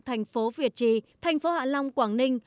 thành phố việt trì thành phố hạ long quảng ninh